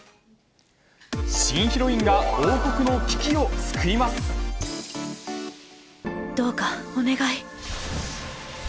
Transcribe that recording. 新ヒロインが王国の危機を救どうかお願い。